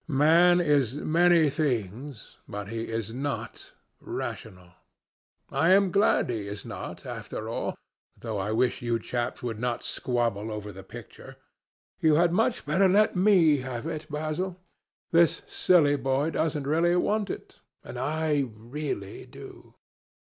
Man is many things, but he is not rational. I am glad he is not, after all—though I wish you chaps would not squabble over the picture. You had much better let me have it, Basil. This silly boy doesn't really want it, and I really do."